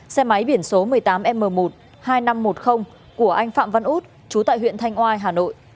xe máy biển số một mươi tám m một hai nghìn năm trăm một mươi của anh phạm văn út chú tại huyện thanh oai hà nội